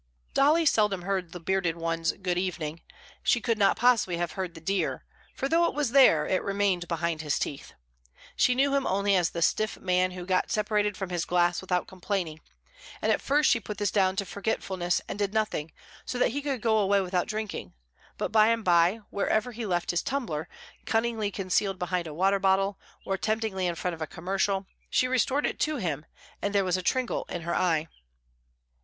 Dolly seldom heard the bearded one's "good evening"; she could not possibly have heard the "dear," for though it was there, it remained behind his teeth. She knew him only as the stiff man who got separated from his glass without complaining, and at first she put this down to forgetfulness, and did nothing, so that he could go away without drinking; but by and by, wherever he left his tumbler, cunningly concealed behind a water bottle, or temptingly in front of a commercial, she restored it to him, and there was a twinkle in her eye.